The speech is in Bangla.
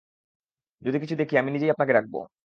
যদি কিছু দেখি, আমি নিজেই আপনাকে ডাকব।